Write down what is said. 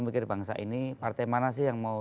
mikir bangsa ini partai mana sih yang mau